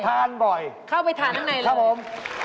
ทานบ่อยครับผมค่ะเข้าไปทานข้างในเลย